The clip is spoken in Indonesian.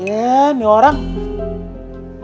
masih berdiri aja disini